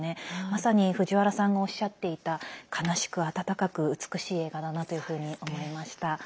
まさに、藤原さんがおっしゃっていた悲しく温かく美しい映画だなというふうに思いました。